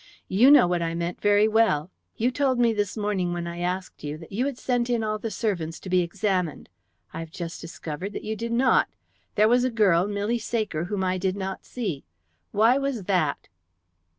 "You know what I mean very well. You told me this morning, when I asked you, that you had sent in all the servants to be examined. I have just discovered that you did not. There was a girl, Milly Saker, whom I did not see. Why was that?"